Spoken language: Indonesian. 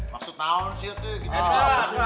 maksud tahun sih itu